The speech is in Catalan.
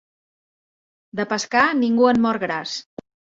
De pescar, ningú no en mor gras.